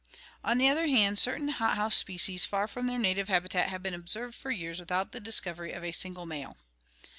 On the other hand, certain hothouse species far from their native habitat have been observed for years without the discovery of a single male.